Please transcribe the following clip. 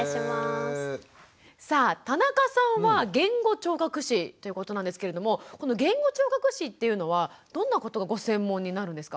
さあ田中さんは言語聴覚士ということなんですけれどもこの言語聴覚士っていうのはどんなことがご専門になるんですか？